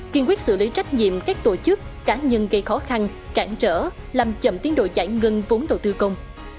kiên quyết xử lý trách nhiệm các tổ chức cá nhân gây khó khăn cản trở làm chậm tiến độ giải ngân vốn đầu tư công